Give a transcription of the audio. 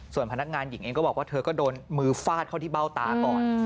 ส่วนพนักงานหญิงเองก็บอกว่าเธอก็โดนมือฟาดเข้าที่เบ้าตาก่อน